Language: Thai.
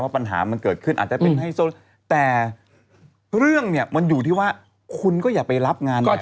ปัญหามันเกิดขึ้นอาจจะเป็นไฮโซแต่เรื่องเนี่ยมันอยู่ที่ว่าคุณก็อย่าไปรับงานมา